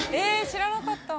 知らなかった！